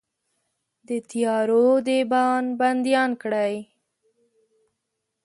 د تیارو دیبان بنديان کړئ